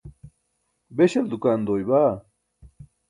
beśal dukaan doy baa?